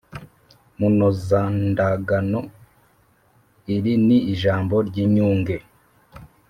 munozandagano: iri ni ijambo ry’inyunge